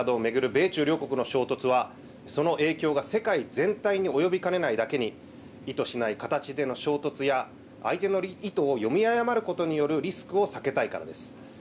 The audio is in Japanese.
米中両国の衝突は、その影響が世界全体に及びかねないだけに、意図しない形での衝突や、相手の意図を読み誤ることによるリスクを避けたいからです。